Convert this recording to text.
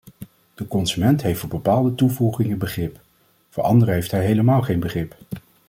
De consument heeft voor bepaalde toevoegingen begrip, voor andere heeft hij helemaal geen begrip.